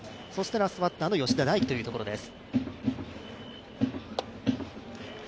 そしてラストバッターの吉田大喜というところです。